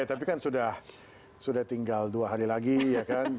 tapi kan sudah tinggal dua hari lagi ya kan